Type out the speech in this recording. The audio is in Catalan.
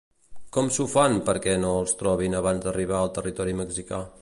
Com s'ho fan perquè no els trobin abans d'arribar al territori mexicà?